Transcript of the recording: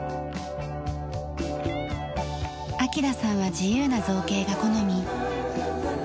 明さんは自由な造形が好み。